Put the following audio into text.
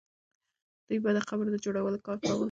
دوی به د قبر د جوړولو کار کاوه.